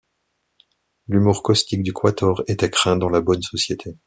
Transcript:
L’humour caustique du quator était craint dans la bonne société.